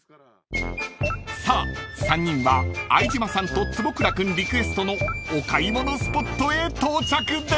［さあ３人は相島さんと坪倉君リクエストのお買い物スポットへ到着です］